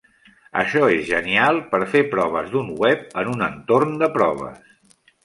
Això és genial per fer proves d'un web en un entorn de proves.